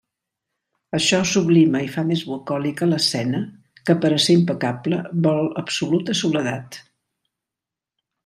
Això sublima i fa més bucòlica l'escena, que per a ser impecable vol absoluta soledat.